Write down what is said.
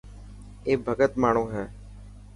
اي ڀڳت ماڻهو هي.